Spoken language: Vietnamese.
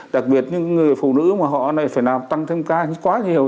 đặc biệt những người phụ nữ mà họ này phải làm tăng thêm ca quá nhiều